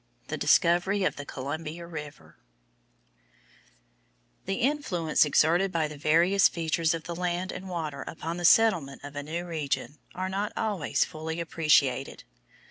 THE DISCOVERY OF THE COLUMBIA RIVER The influence exerted by the various features of the land and water upon the settlement of a new region are not always fully appreciated.